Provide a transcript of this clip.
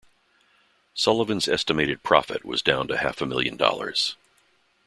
Sullivan's estimated profit was down to half a million dollars.